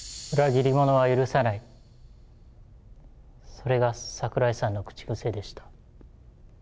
それが桜井さんの口癖でした。